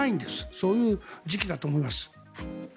そういう時期だと思います。